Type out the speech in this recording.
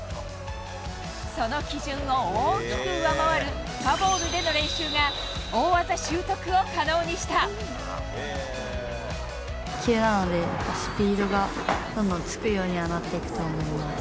その基準を大きく上回る深ボウルでの練習が、大技習得を可能にし急なので、スピードがどんどんつくようにはなっていくと思います。